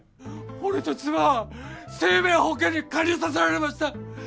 俺と妻は生命保険に加入させられました。